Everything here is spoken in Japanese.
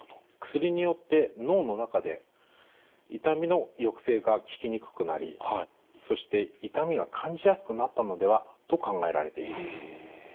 薬によって脳の中で痛みの抑制が効きにくくなりそして痛みが感じやすくなったのではと考えられています。